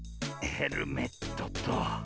ヘルメットと。